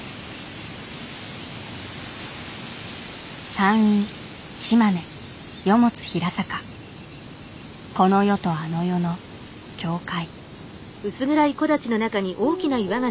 山陰島根この世とあの世の境界。